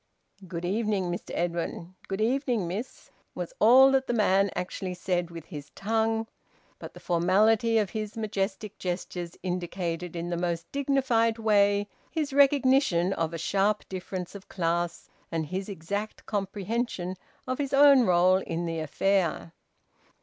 "Good evening, Mr Edwin. Good evening, miss," was all that the man actually said with his tongue, but the formality of his majestic gestures indicated in the most dignified way his recognition of a sharp difference of class and his exact comprehension of his own role in the affair.